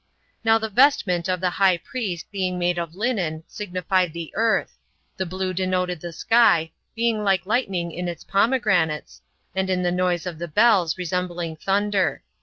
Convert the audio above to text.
Now the vestment of the high priest being made of linen, signified the earth; the blue denoted the sky, being like lightning in its pomegranates, and in the noise of the bells resembling thunder.